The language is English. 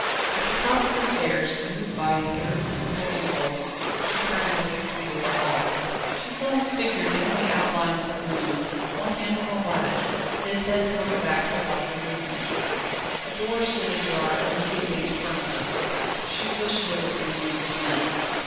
At the top of the stairs, moved by an irresistible impulse, she turned and looked into the hall. She saw his figure dimly outlined in the gloom, one hand on the latch, his head thrown back to watch her movements. A door stood ajar immediately in front of her. She pushed it open and went within.